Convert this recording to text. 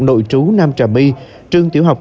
nội trú nam trà my trường tiểu học